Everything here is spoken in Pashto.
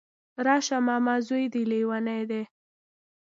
راشه ماما ځوی دی ليونی دی